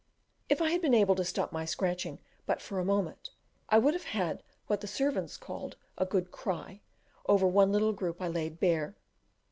If I had been able to stop my scratching but for a moment, I would have had what the servants call a "good cry" over one little group I laid bare.